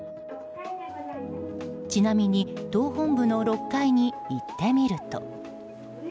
ちなみに党本部の６階に行ってみると。